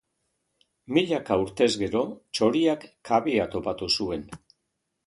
Milaka urtez gero, txoriak kabia topa zuen.